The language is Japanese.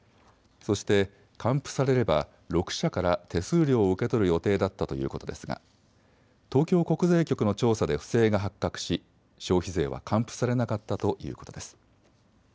そして還付されれば６社から手数料を受け取る予定だったということですが東京国税局の調査で不正が発覚し消費税は還付されなかったということです。